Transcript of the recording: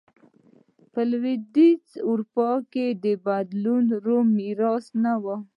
په لوېدیځه اروپا کې بدلونونه د روم میراث نه و.